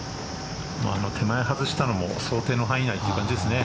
手前外したのも想定の範囲内という感じですね。